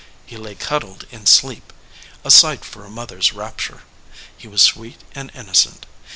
He lay cuddled in sleep, a sight for a mother s rapture. He was sweet and innocent.